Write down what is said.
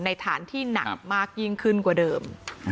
ฐานที่หนักมากยิ่งขึ้นกว่าเดิม